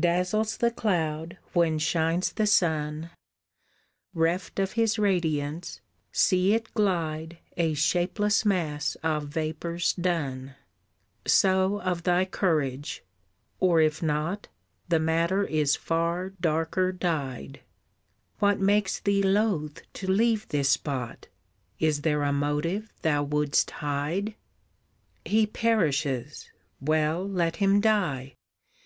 Dazzles the cloud when shines the sun, Reft of his radiance, see it glide A shapeless mass of vapours dun; So of thy courage, or if not, The matter is far darker dyed, What makes thee loth to leave this spot? Is there a motive thou wouldst hide? "He perishes well, let him die!